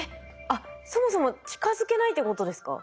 あっそもそも近づけないってことですか？